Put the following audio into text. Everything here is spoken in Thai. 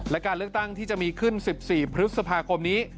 และการเลือกตั้งที่จะมีขึ้น๑๔พฤษภาคมนี้